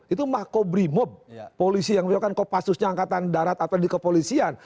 itu mah kok beri mob polisi yang bilang kan kok pasusnya angkatan darat atau dikepolisian